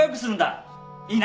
いいな？